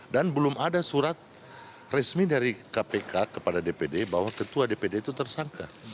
dan belum ada surat resmi dari kpk kepada dpd bahwa ketua dpd itu tersangka